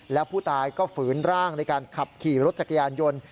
แล้วผู้ตายก็ฝืนร่างในการขับขี่รถจักรยานยนต์